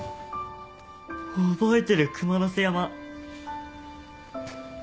覚えてる熊之背山。